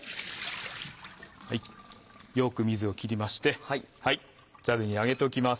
よく水を切りましてザルに上げておきます。